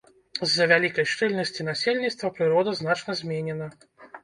З-за вялікай шчыльнасці насельніцтва прырода значна зменена.